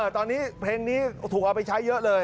ตอนนี้เพลงนี้ถูกเอาไปใช้เยอะเลย